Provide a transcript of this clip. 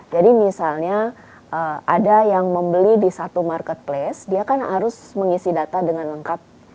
jadi misalnya ada yang membeli di satu marketplace dia kan harus mengisi data dengan lengkap